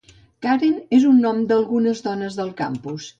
Karen és el nom d'algunes dones del campus.